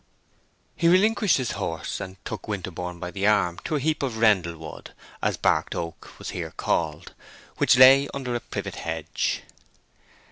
He relinquished his horse, and took Winterborne by the arm to a heap of rendlewood—as barked oak was here called—which lay under a privet hedge.